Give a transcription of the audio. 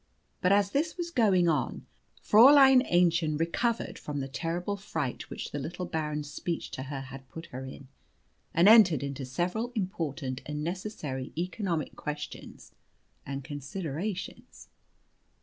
But as this was going on, Fräulein Aennchen recovered from the terrible fright which the little Baron's speech to her had put her in, and entered into several important and necessary economic questions and considerations.